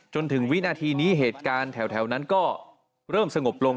จนถึงวินาทีนี้เหตุการณ์แถวนั้นก็เริ่มสงบลง